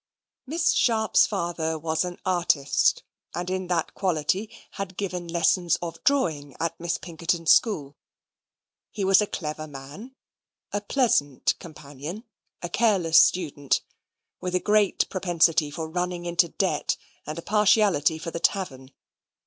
Miss Sharp's father was an artist, and in that quality had given lessons of drawing at Miss Pinkerton's school. He was a clever man; a pleasant companion; a careless student; with a great propensity for running into debt, and a partiality for the tavern.